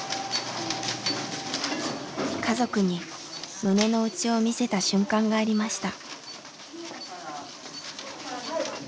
家族に胸の内を見せた瞬間がありました。